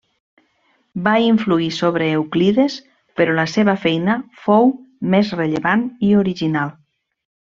Va influir sobre Euclides, però la seva feina fou més rellevant i original.